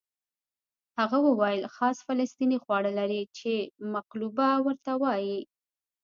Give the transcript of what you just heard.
هغه وویل خاص فلسطیني خواړه لري چې مقلوبه ورته وایي.